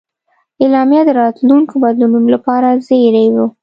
اعلامیه د راتلونکو بدلونونو لپاره زېری و.